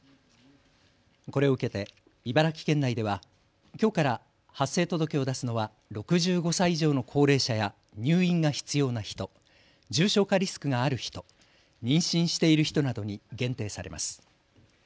これを受けて茨城県内ではきょうから発生届を出すのは６５歳以上の高齢者や入院が必要な人、重症化リスクがある人、妊娠している人などに限定されます。